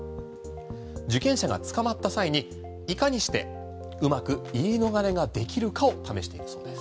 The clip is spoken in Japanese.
受験者が捕まった際にいかにしてうまく言い逃れができるかを試しているそうです。